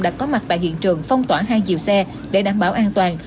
đã có mặt tại hiện trường phong tỏa hai chiều xe để đảm bảo an toàn